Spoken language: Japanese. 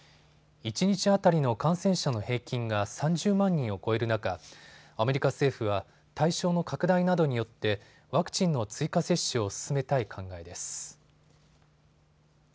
一日当たりの感染者の平均が３０万人を超える中、アメリカ政府は対象の拡大などによってワクチンの追加接種を進めたい考えです。